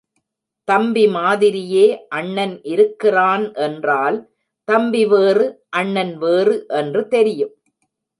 தம்பி மாதிரியே அண்ணன் இருக்கிறான் என்றால், தம்பி வேறு, அண்ணன் வேறு என்று தெரியும்.